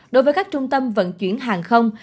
đối với các trung tâm vận chuyển hàng không